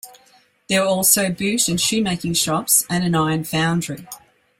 There were also boot and shoemaking shops and an iron foundry.